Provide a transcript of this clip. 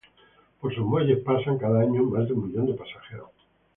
Por sus muelles pasan, cada año, más de un millón de pasajeros.